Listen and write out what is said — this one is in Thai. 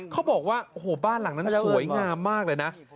เขาบอกว่าโอ้โหบ้านหลังนั้นสวยงามมากเลยนะ